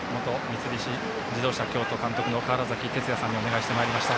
三菱自動車京都監督の川原崎哲也さんにお願いしていました。